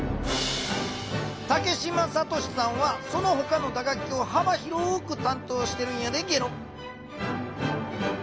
竹島悟史さんはそのほかの打楽器をはば広くたんとうしてるんやでゲロ。